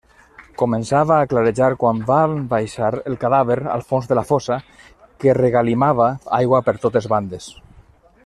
Començava a clarejar quan van baixar el cadàver al fons de la fossa, que regalimava aigua per totes bandes.